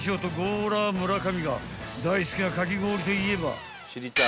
村上が大好きなかき氷といえば］